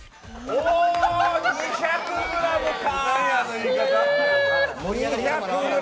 おー、２００ｇか。